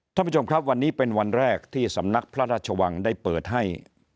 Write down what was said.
ท่านผู้ชมครับวันนี้เป็นวันแรกที่สำนักพระราชวังได้เปิดให้